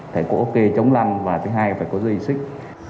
phải có kê chống lăn và thứ hai phải có dây xích